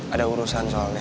ada urusan soalnya